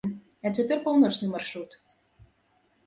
А цяпер паўночны маршрут.